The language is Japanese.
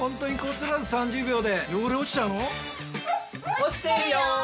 落ちてるよ！